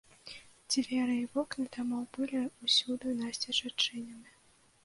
Дзверы і вокны дамоў былі ўсюды насцеж адчынены.